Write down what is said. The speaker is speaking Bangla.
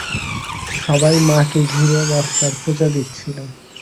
সবাই মা-কে ঘিরে ধরে বর্ষার খোঁচা দিচ্ছিল।